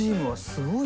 すごい。